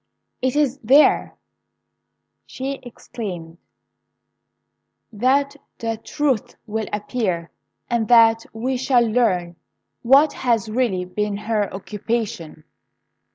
'It is there,' she exclaimed, 'that the truth will appear, and that we shall learn what has really been her occupation!'